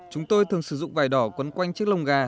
chúng tôi thường sử dụng vải đỏ quấn quanh chiếc lông gà